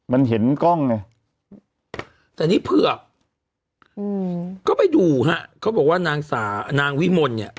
มันเห็นกล้องไงแต่นี่เผือกอืมก็ไปดูฮะเขาบอกว่านางสาวนางวิมลเนี่ย